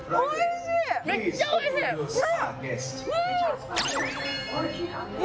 めっちゃおいしい！ね！